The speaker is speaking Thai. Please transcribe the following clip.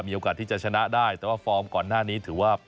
มีโอกาสที่จะชนะได้แต่ว่าฟอร์มก่อนหน้านี้ถือว่า